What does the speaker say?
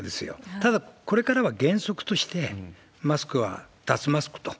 ただ、これからは原則としてマスクは、脱マスクと。